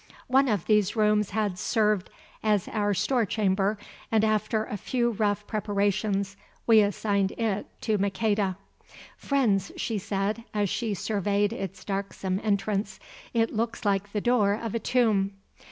One of these rooms had served as our store chamber, and after a few rough preparations we assigned it to Maqueda. "Friends," she said, as she surveyed its darksome entrance, "it looks like the door of a tomb.